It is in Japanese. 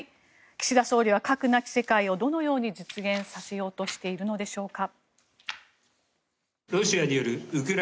岸田総理は核なき世界をどのように実現させようとしているのでしょうか。